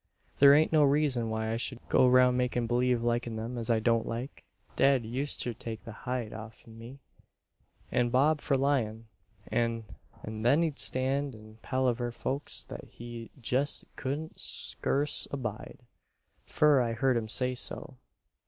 "There ain't no reason why I should go 'round makin' believe likin' them as I don't like. Dad useter take the hide off'n me and Bob for lyin'; an' then he'd stand an' palaver folks that he jest couldn't scurce abide, fur I heard him say so.